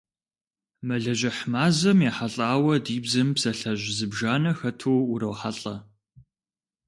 Мэлыжьыхь мазэм ехьэлӀауэ ди бзэм псалъэжь зыбжанэ хэту урохьэлӀэ.